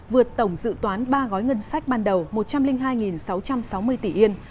vượt tổng dự toán ba gói ngân sách ban đầu một trăm linh hai sáu trăm sáu mươi tỷ yên